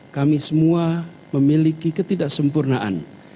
kami semua memiliki ketidaksempurnaan